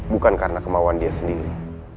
bukan karena kemauan dia sendiri